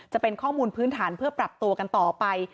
จะเป็นข้อมูลพื้นฐานเพื่อปรับตัวกันต่อไป